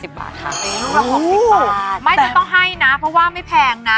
ลูกละ๖๐บาทไม่จะต้องให้นะเพราะว่าไม่แพงนะ